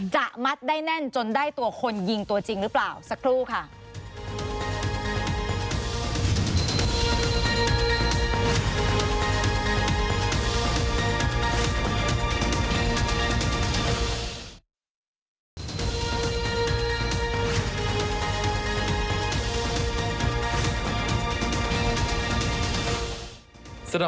จะมัดได้แน่นจนได้ตัวคนยิงตัวจริงหรือเปล่าสักครู่ค่ะ